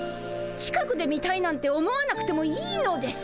近くで見たいなんて思わなくてもいいのです。